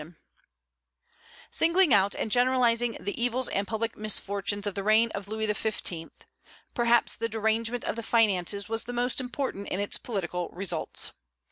In singling out and generalizing the evils and public misfortunes of the reign of Louis XV., perhaps the derangement of the finances was the most important in its political results.